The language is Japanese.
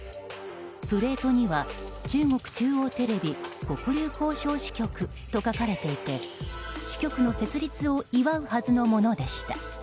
プレートには中国中央テレビ黒竜江省支局と書かれていて支局の設立を祝うはずのものでした。